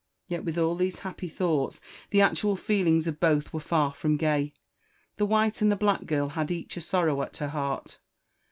Yet, with all these happy thoughts, the actual feelings of both were far from gay. The white and the black girl had each a sorrow at her heart.